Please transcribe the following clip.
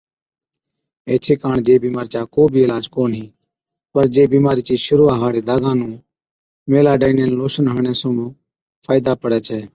ايڇي ڪاڻ جي بِيمارِي چا ڪو بِي عِلاج ڪونهِي۔ پَر جي بِيمارِي چِي شرُوعا هاڙي داگا نُون Meladinine Lotion ميلاڊائِينن لوشن هڻڻي سُون فائِدا پڙَي ڇَي۔